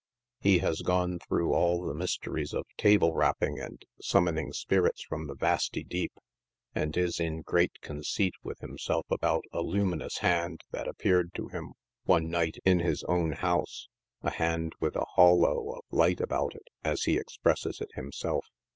He has gone through all the myste ries of table rapping and summoning *• spirits from the vasty deep," and is in great conceit with himself about a luminous hand that ap peared to him one night in his own house —" a hand with a hawlo of light about it/"' as he expresses it himself.